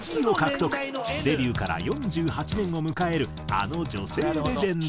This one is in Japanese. デビューから４８年を迎えるあの女性レジェンド。